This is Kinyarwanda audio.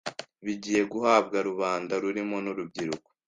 bigiye guhabwa rubanda rurimo n’urubyiruko